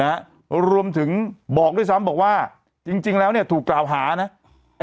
นะรวมถึงบอกด้วยซ้ำบอกว่าจริงจริงแล้วเนี่ยถูกกล่าวหานะไอ้